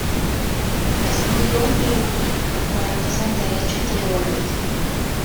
Estudió en Perugia, doctorándose en Derecho y Teología.